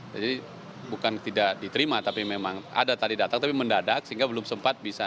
jadi bukan tidak diterima tapi memang ada tadi datang tapi mendadak sehingga belum sempat bisa